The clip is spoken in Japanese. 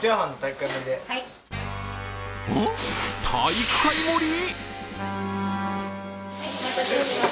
体育会盛り？